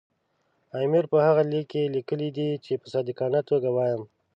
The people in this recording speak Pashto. امیر په هغه لیک کې لیکلي دي چې په صادقانه توګه وایم.